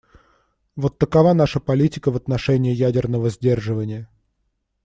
Вот такова наша политика в отношении ядерного сдерживания.